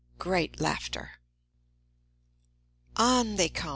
(Great laughter.) On they come!